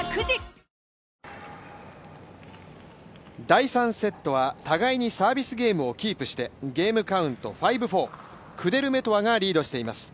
第３セットは互いにサービスゲームをキープして、ゲームカウント５−４、クデルメトワがリードしています。